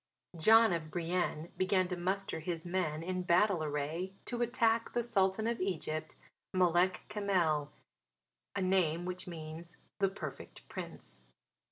John of Brienne began to muster his men in battle array to attack the Sultan of Egypt, Malek Kamel, a name which means "the Perfect Prince."